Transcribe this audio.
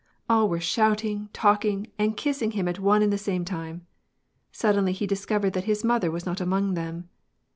All were shouting, talking, and kissing him at one and the same time. Suddenly, he discovered that his mother was not among them.